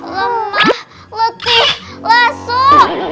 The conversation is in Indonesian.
lemah letih lasuk